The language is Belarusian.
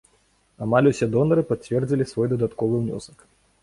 Амаль усе донары пацвердзілі свой дадатковы ўнёсак.